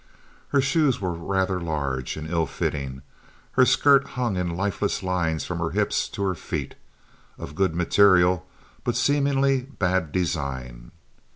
Her shoes were rather large, and ill fitting; her skirt hung in lifeless lines from her hips to her feet, of good material but seemingly bad design.